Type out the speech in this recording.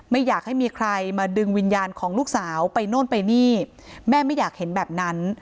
ไม่อยากให้มีใครมาดึงวิญญาณของลูกสาวไปโน่นไปนี่แม่ไม่อยากเห็นแบบนั้น